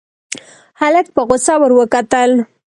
هلک په غوسه ور وکتل.